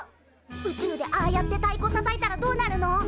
宇宙でああやってたいこたたいたらどうなるの？